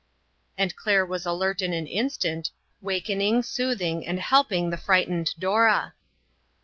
And Claire was alert in an instant, wak ening, soothing and helping the frightened Dora.